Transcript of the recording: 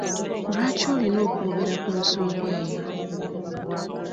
Lwaki olina okwogera ku nsonga eyo?